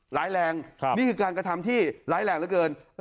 ร้ายแรงนี่คือการกระทำที่ร้ายแรงเหลือเกิน